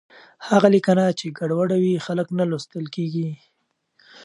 هغه لیکنه چې ګډوډه وي، خلک نه لوستل کېږي.